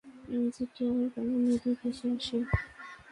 যেটি আমার কানে মৃদু ভেসে আসে।